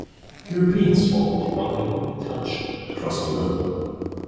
Europeans formed the Wanganui township across the river.